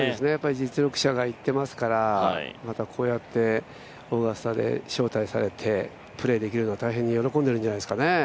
実力者が行ってますから、こうやってオーガスタで招待されてプレーできるのを大変に喜んでいるんじゃないですかね。